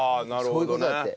そういう事だって。